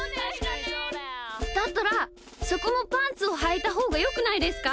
だったらそこもパンツをはいたほうがよくないですか？